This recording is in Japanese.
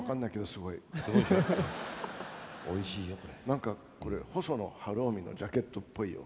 何かこれホソノ晴臣のジャケットっぽいよ。